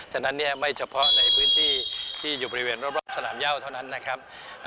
ฉะนั้นเนี่ยไม่เฉพาะในพื้นที่ที่อยู่บริเวณรอบสนามย่าเท่านั้นนะครับ